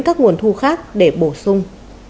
các nguồn thu khác để bổ sung